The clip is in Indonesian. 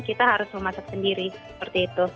kita harus memasak sendiri seperti itu